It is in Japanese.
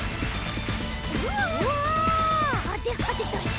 うわはではでだ！